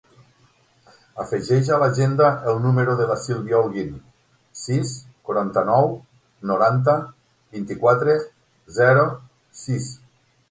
Afegeix a l'agenda el número de la Sílvia Holguin: sis, quaranta-nou, noranta, vint-i-quatre, zero, sis.